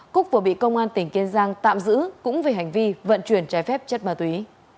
cúc vừa bị công an tỉnh kiên giang tạm giữ cũng về hành vi vận chuyển trái phép chất ma túy